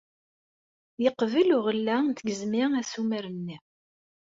Yeqbel uɣella n tgezmi assumer-nni.